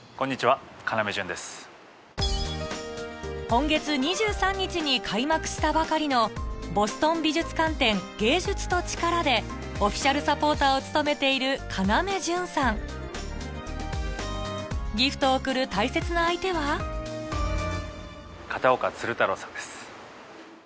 今月２３日に開幕したばかりのボストン美術館展「芸術×力」でオフィシャルサポーターを務めているギフトを贈る大切な相手は片岡鶴太郎さんです。